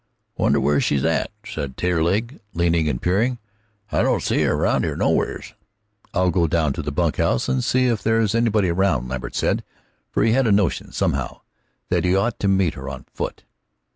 "I wonder where she's at?" said Taterleg, leaning and peering. "I don't see her around here nowheres." "I'll go down to the bunkhouse and see if there's anybody around," Lambert said, for he had a notion, somehow, that he ought to meet her on foot.